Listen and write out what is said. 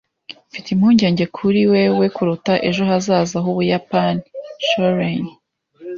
Mfite impungenge kuri wewe kuruta ejo hazaza h’Ubuyapani. (Shoyren)